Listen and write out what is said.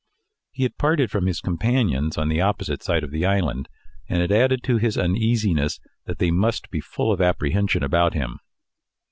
He had parted from his companions on the opposite side of the island, and it added to his uneasiness that they must be full of apprehension about him.